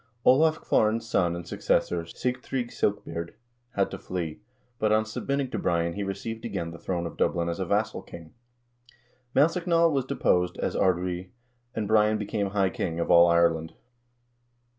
Olav Kvaaran's son and successor, Sigtrygg Silkbeard, had to flee, but on submitting to Brian he received again the throne of Dublin as a vassal king. Maelsechnaill was deposed as Ard Righ, and Brian became high king of all Ireland.